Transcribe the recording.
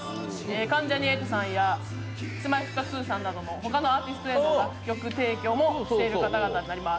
関ジャニ∞さんやＫｉｓ−Ｍｙ−Ｆｔ２さんなど他のアーティストへの楽曲提供もしている方々になります。